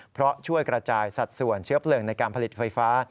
เพราะช่วยกระจายสัดส่วนเชื้อเพลิงในการผลิตไฟฟ้า